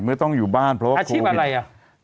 เมื่อต้องอยู่บ้านเพราะว่าโควิดอาชีพอะไรอะ